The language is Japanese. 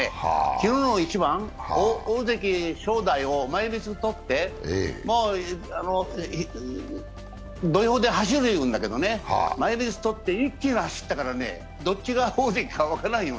昨日の一番、大関・正代の前みつとって、土俵で走るっていうんだけどね、前みつとって一気に走ったからどっちが大関か分からない。